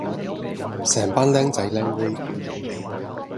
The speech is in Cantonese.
成班 𡃁 仔 𡃁 妹